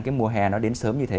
cái mùa hè nó đến sớm như thế